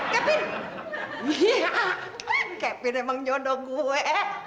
kepin kepin emang nyodok gue